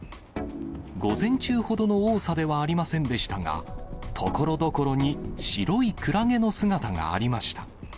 午前中ほどの多さではありませんでしたが、ところどころに白いクラゲの姿がありました。